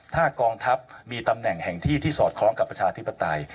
ถ้ากองทัพมีตำแหน่งแห่งที่ที่สอดคล้องกับประชาธิปไตย